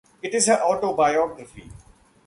It is her autobiography.